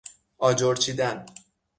آجر چیدن